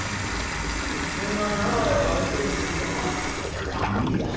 君が長屋を相手にするのは無理だ。